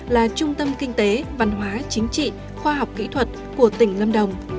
là trung tâm kinh tế văn hóa chính trị khoa học kỹ thuật của tỉnh lâm đồng